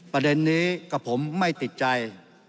ประเด็นนี้กับผมไม่ติดใจ